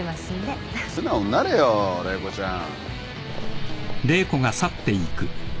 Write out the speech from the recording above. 素直になれよ玲子ちゃん。